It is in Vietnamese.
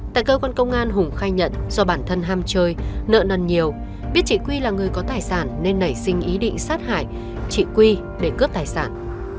tại cơ quan công an hùng khai nhận do bản thân ham chơi nợ nần nhiều biết chỉ quy là người có tài sản nên nảy sinh ý định sát hải chỉ quy để cướp tài sản